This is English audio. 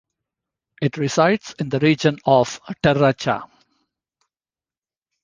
It resides in the region of Terra Cha.